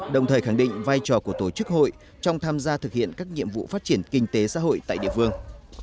đồng thời khẳng định vai trò của tổ chức hội trong tham gia thực hiện các nhiệm vụ phát triển kinh tế xã hội tại địa phương